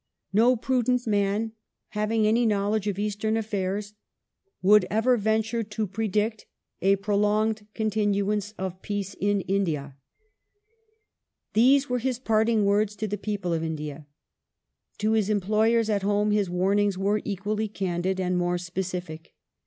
No prudent man, having any knowledge of Eastern affau s, would ever venture to predict a prolonged continuance of peace in India." These were his parting words to the people of India. To his employee at home his warnings were equally candid and more specific.